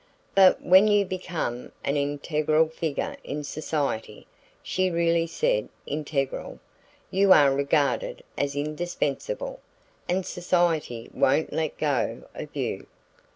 But when you become an integral figure in society (she really said integral), you are regarded as indispensable, and society won't let go of you."